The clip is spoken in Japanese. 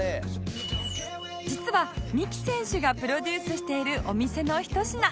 実は三鬼選手がプロデュースしているお店のひと品